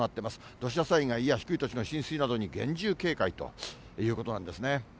土砂災害や低い土地の浸水などに厳重警戒ということなんですね。